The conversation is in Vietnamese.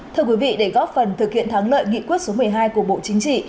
thưa quý vị để góp phần thực hiện thắng lợi nghị quyết số một mươi hai của bộ chính trị